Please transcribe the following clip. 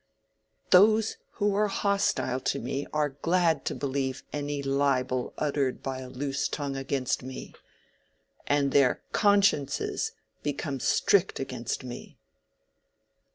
Those who are hostile to me are glad to believe any libel uttered by a loose tongue against me. And their consciences become strict against me.